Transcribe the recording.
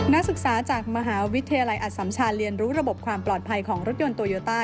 นักศึกษาจากมหาวิทยาลัยอสัมชาเรียนรู้ระบบความปลอดภัยของรถยนต์โตโยต้า